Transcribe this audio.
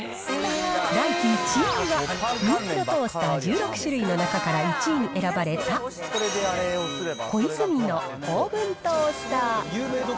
第１位は、人気のトースター１６種類の中から１位に選ばれた、コイズミのオーブントースター。